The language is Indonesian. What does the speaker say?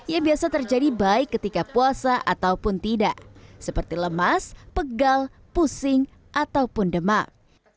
yang biasa terjadi baik ketika puasa ataupun tidak seperti lemas pegal pusing ataupun demam